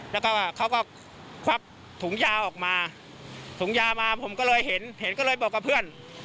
แล้วก็เขาก็ควักถุงยาออกมาถุงยามาผมก็เลยเห็นเห็นก็เลยบอกกับเพื่อน